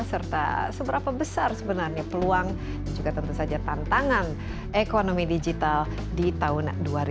serta seberapa besar sebenarnya peluang dan juga tentu saja tantangan ekonomi digital di tahun dua ribu dua puluh